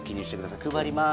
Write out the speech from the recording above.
配ります。